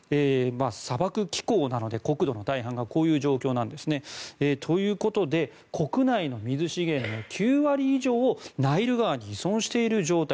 砂漠気候なので、国土の大半がこういう状況なんですね。ということで国内の水資源の９割以上をナイル川に依存している状態。